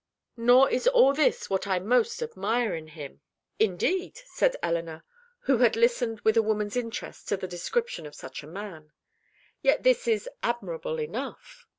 Nor is all this what I most admire in him." "Indeed!" said Elinor, who had listened with a woman's interest to the description of such a man. "Yet this is admirable enough."